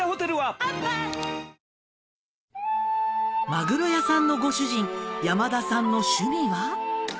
マグロ屋さんのご主人山田さんの趣味は？